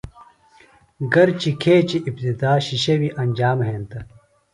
گر چہ کھیچیۡ ابتدا شِشیویۡ انجام ہنتہ۔